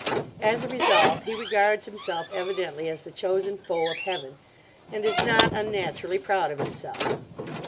As a result, he regards himself evidently as the chosen foe of Heaven, and is not, unnaturally, proud of himself.